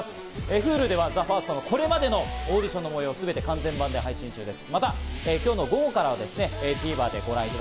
ＨｕｌｕではＴＨＥＦＩＲＳＴのこれまでのオーディションの模様を完全版で配信中です。